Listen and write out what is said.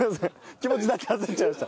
気持ちだけ焦っちゃいました。